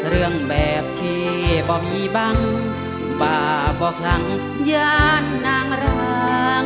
เรื่องแบบที่บ่มีบ้างบ่บ่คั่งยา้แนะล้าง